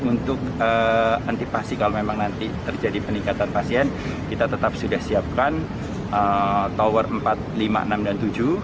untuk antipasi kalau memang nanti terjadi peningkatan pasien kita tetap sudah siapkan tower empat lima enam dan tujuh